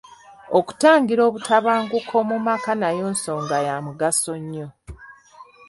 Okutangira obutabanguko mu maka nayo nsonga ya mugaso nnyo.